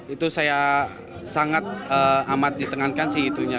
itu saya sangat amat ditengankan sih itunya